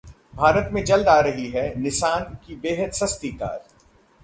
भारत में जल्द आ रही है निसान की बेहद सस्ती कार